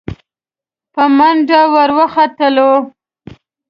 په منډه ور وختلو.